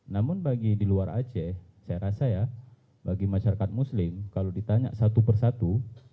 namun bagi di luar aceh saya rasa ya bagi masyarakat muslim kalau ditanya satu persatu